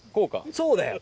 そうだよ！